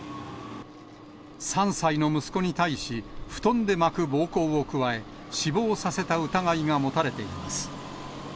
３歳の息子に対し、布団で巻く暴行を加え、死亡させた疑いが持たれています。